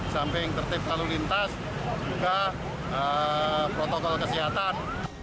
samping tertib lalu lintas juga protokol kesehatan